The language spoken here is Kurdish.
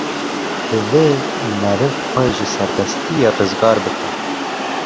Divê meriv xwe ji serbestiyê rizgar bike.